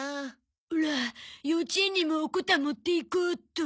オラ幼稚園にもおこた持っていこうっと。